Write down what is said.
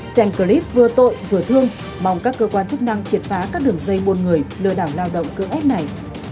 xem clip vừa tội vừa thương mong các cơ quan chức năng triệt phá các đường dây buôn người lừa đảo lao động cưỡng ép này